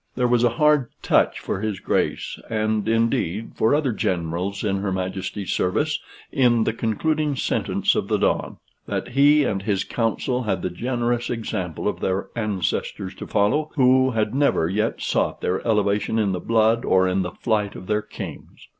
There was a hard touch for his Grace, and, indeed, for other generals in her Majesty's service, in the concluding sentence of the Don: "That he and his council had the generous example of their ancestors to follow, who had never yet sought their elevation in the blood or in the flight of their kings.